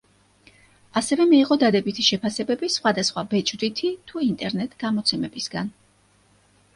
ასევე მიიღო დადებითი შეფასებები სხვადასხვა ბეჭდვითი თუ ინტერნეტ გამოცემებისგან.